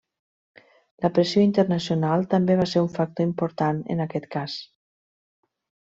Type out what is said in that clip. La pressió internacional també va ser un factor important en aquest cas.